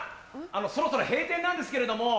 そろそろ閉店なんですけれども。